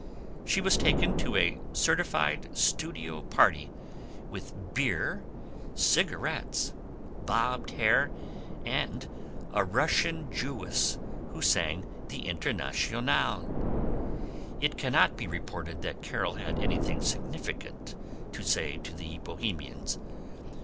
She was taken to a certified Studio Party, with beer, cigarettes, bobbed hair, and a Russian Jewess who sang the Internationale. It cannot be reported that Carol had anything significant to say to the Bohemians.